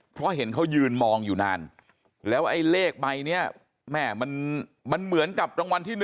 เพราะเห็นเขายืนมองอยู่นานแล้วไอ้เลขใบนี้แม่มันเหมือนกับรางวัลที่๑